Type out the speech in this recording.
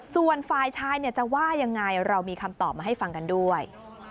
ส่วนฝ่ายชายจะว่ายังไงเรามีคำตอบมาให้ฟังกันด้วย